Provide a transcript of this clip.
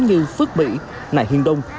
như phước mỹ nại hiền đông